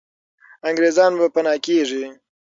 انګریزان به پنا کېږي.